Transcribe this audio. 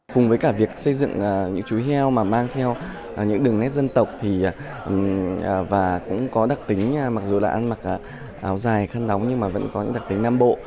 cùng với cả việc xây dựng những chú heo mà mang theo những đường nét dân tộc và cũng có đặc tính mặc dù là ăn mặc áo dài khăn nóng nhưng mà vẫn có những đặc tính nam bộ